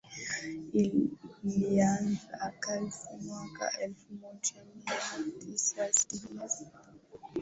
ilianza kazi mwaka elfu moja mia tisa sitini na sita